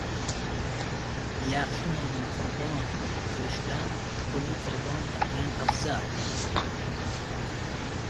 • Yaxshi nomni qurbon qilishdan pulni qurbon qilgan afzal.